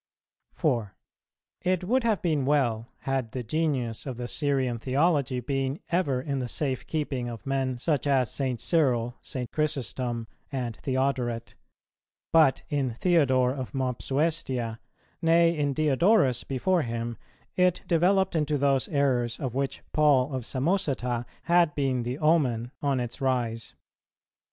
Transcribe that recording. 4. It would have been well, had the genius of the Syrian theology been ever in the safe keeping of men such as St. Cyril, St. Chrysostom, and Theodoret; but in Theodore of Mopsuestia, nay in Diodorus before him, it developed into those errors, of which Paul of Samosata had been the omen on its rise.